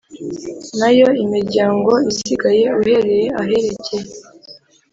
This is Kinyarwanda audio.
Na yo imiryango isigaye uhereye aherekeye